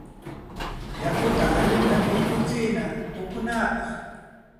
Yakuta allinta timputsina upunapaq.